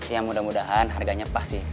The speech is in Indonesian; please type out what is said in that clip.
ya mudah mudahan harganya pas sih